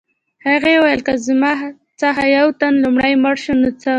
هغې وویل که زموږ څخه یو تن لومړی مړ شو نو څه